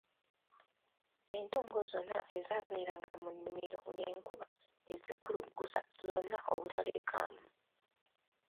Entungo zonna ezaabeeranga mu nnimiro ng'enkuba ezikuluggusa zonna obutalekaamu.